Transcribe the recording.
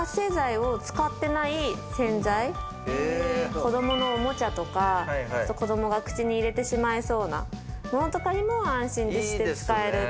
子供のおもちゃとか、子供が口に入れてしまいそうなものとかにも安心して使える。